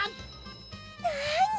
なに？